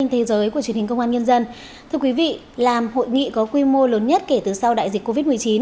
thưa quý vị làm hội nghị có quy mô lớn nhất kể từ sau đại dịch covid một mươi chín